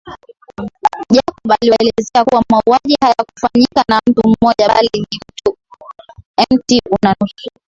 Jacob aliwaeleza kuwa mauaji hayakufanyika na mtu mmoja bali ni mt una nusu